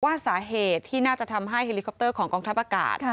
ว่าสาเหตุที่น่าจะทำให้เฮลิคอปเตอร์ของกองทัพอากาศ